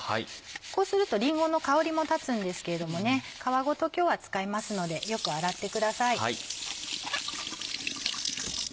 こうするとりんごの香りも立つんですけれども皮ごと今日は使いますのでよく洗ってください。